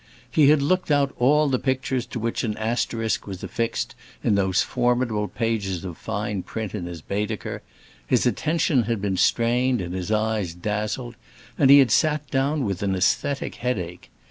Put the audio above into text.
He had looked out all the pictures to which an asterisk was affixed in those formidable pages of fine print in his Bädeker; his attention had been strained and his eyes dazzled, and he had sat down with an æsthetic headache.